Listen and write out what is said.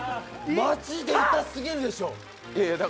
マジで痛すぎるでしょう。